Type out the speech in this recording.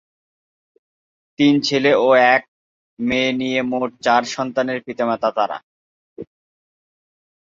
তিন ছেলে ও এক মেয় নিয়ে মোট চার সন্তানের পিতা-মাতা তারা।